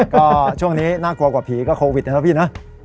ก็ช่วงนี้น่ากลัวกว่าผีก็โควิดนะครับพี่นะ